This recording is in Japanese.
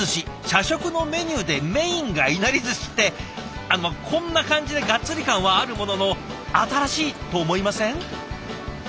社食のメニューでメインがいなりずしってこんな感じでガッツリ感はあるものの新しいと思いません？